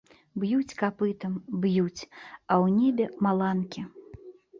Б'юць капытам, б'юць, а ў небе маланкі!